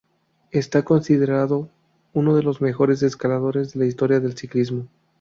Está considerado uno de los mejores escaladores de la historia del ciclismo.